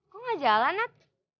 kok gak jalan nat